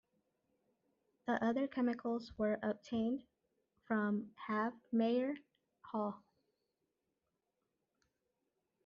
The other chemicals were obtained from Havemeyer Hall.